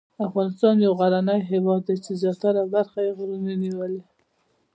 افغانستان یو غرنی هېواد دی چې زیاته برخه یې غرونو نیولې.